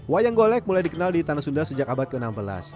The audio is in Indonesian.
wayang golek mulai dikenal di tanah sunda sejak abad ke enam belas